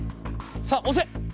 さあ押せ！